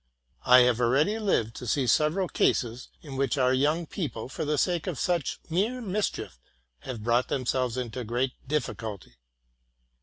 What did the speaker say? I have already lived to see several cases, in which our young people, for the sake of such mere mischief, have brought themselves into great difficulty.